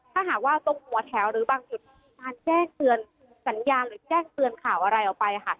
ถ้าหากว่าตรงหัวแถวหรือบางจุดมีการแจ้งเตือนสัญญาณหรือแจ้งเตือนข่าวอะไรออกไปค่ะ